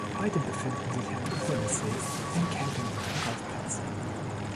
Heute befinden sich am Ufer des Sees ein Camping- und ein Golfplatz.